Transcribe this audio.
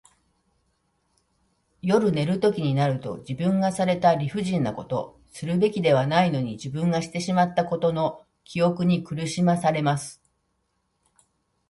夜寝るときになると、自分がされた理不尽なこと、するべきではないのに自分がしてしまったことの記憶に苦しまされます。